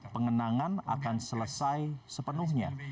pengenangan akan selesai sepenuhnya